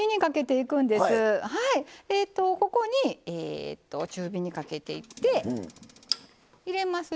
ここに中火にかけていって入れます